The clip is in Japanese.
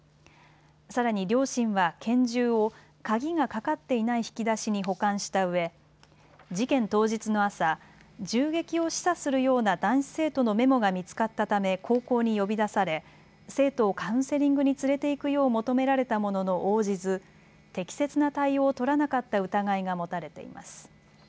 さらに両親は拳銃を鍵がかかっていない引き出しに保管したうえ事件当日の朝、銃撃を示唆するような男子生徒のメモが見つかったため高校に呼び出され生徒をカウンセリングに連れて行くよう求められたものの応じず適切な対応を取らなかった疑いが持たれています。